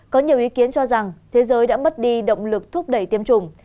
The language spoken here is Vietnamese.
có nhiều ý kiến cho rằng thế giới đã mất đi động lực thúc đẩy tiêm chủng